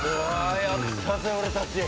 やったぜ俺たち。